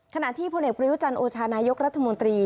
ขณะที่พลเอกประยุจันทร์โอชานายกรัฐมนตรี